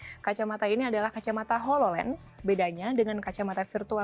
menggunakan kacamata ini kacamata ini adalah kacamata hololens bedanya dengan kacamata virtual